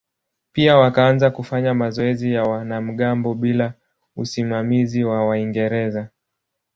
Pia wakaanza kufanya mazoezi ya wanamgambo bila usimamizi wa Waingereza.